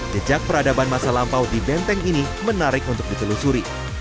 jejak peradaban masa lampau di benteng ini menarik untuk ditelusuri